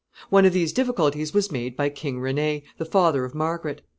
One of these difficulties was made by King René, the father of Margaret.